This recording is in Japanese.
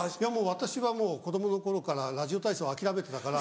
私はもう子供の頃からラジオ体操諦めてたから。